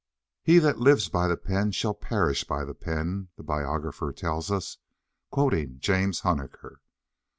"He that lives by the pen shall perish by the pen," the biographer tells us, quoting James Huneker.